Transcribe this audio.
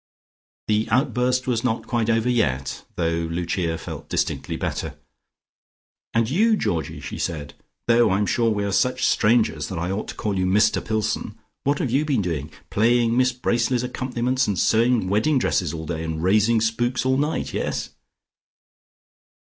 The outburst was not quite over yet, though Lucia felt distinctly better. "And you, Georgie," she said, "though I'm sure we are such strangers that I ought to call you Mr Pillson, what have you been doing? Playing Miss Bracely's accompaniments, and sewing wedding dresses all day, and raising spooks all night? Yes."